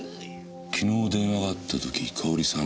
昨日電話があった時かおりさん